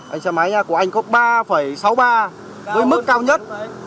anh xe máy của anh có ba sáu mươi ba với mức cao nhất